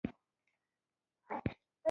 موبایل کې کیمره هم وي.